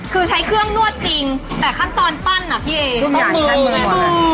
คือใช้เครื่องนวดจริงแต่ขั้นตอนปั้นอ่ะพี่เอทุกมือ